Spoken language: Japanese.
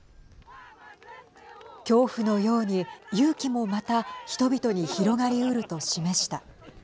恐怖のように勇気もまた人々に広がりうると示した。